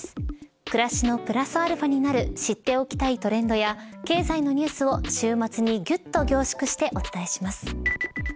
暮らしのプラスαになる知っておきたいトレンドや経済のニュースを週末にギュッと凝縮してお伝えします。